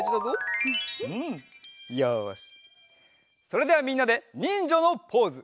それではみんなでにんじゃのポーズ！